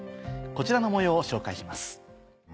こちらの模様を紹介します。